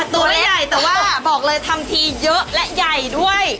ตัวไม่ใหญ่แต่ว่าบอกเลยทำทีเยอะและใหญ่ด้วย